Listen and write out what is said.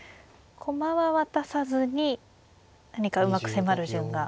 駒は渡さずに何かうまく迫る順が。